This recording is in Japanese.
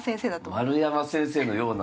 丸山先生のような。